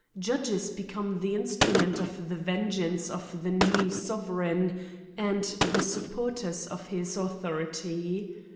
Judges become the instrument of the vengeance of the new sovereign, and the supporters of his authority.